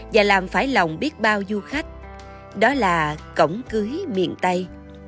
và làm phải lòng biết bao du khách đó là cổng cưới miền tây